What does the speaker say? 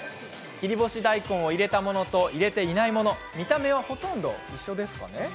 切り干し大根を入れたものと入れていないもの見た目は、ほとんど一緒ですかね。